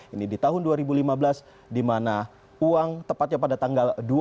ini di tahun dua ribu lima belas dimana uang tepatnya pada tanggal